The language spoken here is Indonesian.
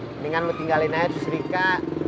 mendingan lo tinggalin aja terus rika